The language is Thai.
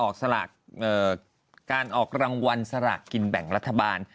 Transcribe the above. การออกรางวัลสลักกรีนแบ่งรัฐบาล